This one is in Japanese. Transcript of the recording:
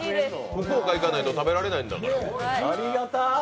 福岡行かないと食べられないんだから。